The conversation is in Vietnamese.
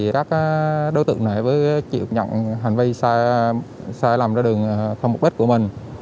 các đối tượng này chịu nhận hành vi sai lầm ra đường không mục đích của mình